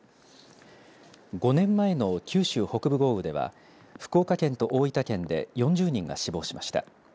５年前の九州北部豪雨では福岡県と大分県で４０人が死亡しました。